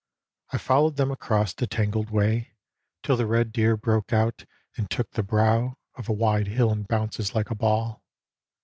I followed them across a tangled way 'Til the red deer broke out and took the brow Of a wide hill in bounces like a ball.